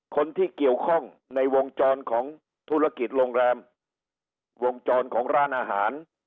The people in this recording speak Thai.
คนที่เกี่ยวข้องในวงจรของธุรกิจโรงแรมวงจรของร้านอาหาร